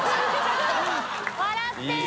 笑ってよ！